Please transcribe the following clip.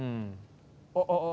ああ。